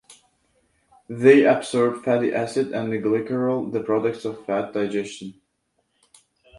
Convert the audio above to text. They absorb fatty acid and glycerol, the products of fat digestion.